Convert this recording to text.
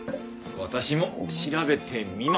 私も調べてみます！